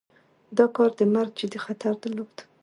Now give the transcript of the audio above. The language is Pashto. دا کار د مرګ جدي خطر درلود.